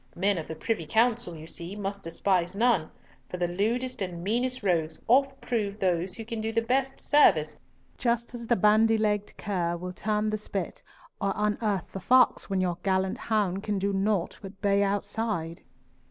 Men of the Privy Council, you see, must despise none, for the lewdest and meanest rogues oft prove those who can do the best service, just as the bandy legged cur will turn the spit, or unearth the fox when your gallant hound can do nought but bay outside."